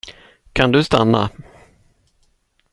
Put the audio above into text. Kan du stanna?